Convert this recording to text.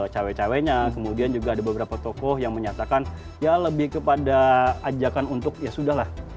cewek ceweknya kemudian juga ada beberapa tokoh yang menyatakan ya lebih kepada ajakan untuk ya sudah lah